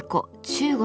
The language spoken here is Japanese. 中国